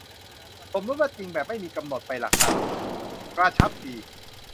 สมมติว่าจริงแบบไม่มีกำหนดไปละกัน กระชับดี